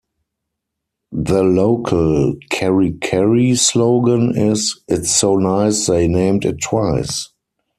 The local "Kerikeri slogan" is "It's So Nice They Named It Twice".